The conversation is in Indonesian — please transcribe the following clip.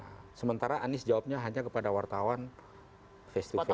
nah sementara anies jawabnya hanya kepada wartawan face to face